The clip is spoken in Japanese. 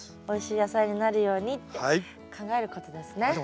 おいしい野菜になるようにって考えることですね。